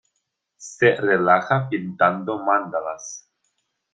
Se relaja pintando mandalas.